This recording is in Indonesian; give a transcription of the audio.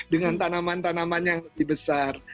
dengan tanaman tanaman yang lebih besar